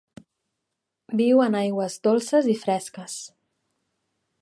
Viu en aigües dolces i fresques.